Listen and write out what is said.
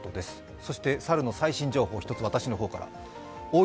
そして猿の最新情報、一つ私の方から。